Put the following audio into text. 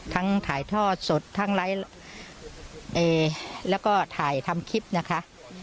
ถ่ายทอดสดทั้งไลฟ์แล้วก็ถ่ายทำคลิปนะคะ